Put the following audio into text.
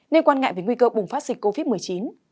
nên quan ngại về nguy cơ bùng phát dịch covid một mươi chín